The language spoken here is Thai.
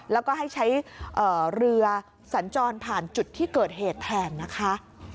แล้วก็ให้ใช้เรือสัญจรผ่านจุดที่เกิดเหตุแทนนะคะ